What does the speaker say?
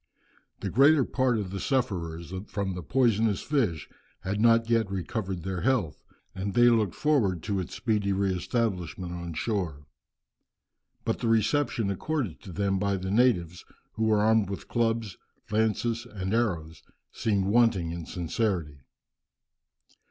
The greater part of the sufferers from the poisonous fish had not yet recovered their health, and they looked forward to its speedy re establishment on shore. But the reception accorded to them by the natives, who were armed with clubs, lances, and arrows, seemed wanting in sincerity.